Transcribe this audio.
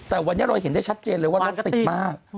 แต่วันนี้เราเห็นได้ชัดเจนเลยว่ารถติดมาก